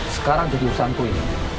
sekarang jadi usahaku ini